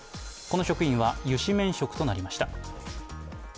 この職員は諭旨免職となりました。